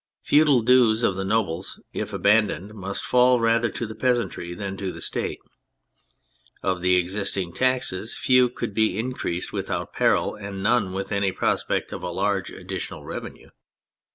The feudal dues of the nobles, if abandoned, must fall rather to the peasantry than to the State. Of the existing taxes few could be increased without peril, and none with any prospect of a large additional revenue.